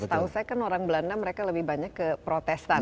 setahu saya kan orang belanda mereka lebih banyak ke protestan